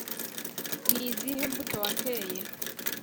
ni izihe mbuto wateye